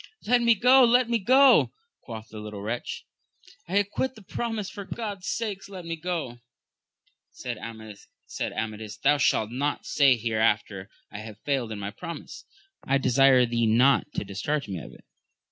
Let me go, let me go ! quoth the little wretch, I acquit the promise; for God's sake let me go 1 Said Amadis, Thou shalt not say here after, I have failed in my promise. I desire thee not to discharge me of it.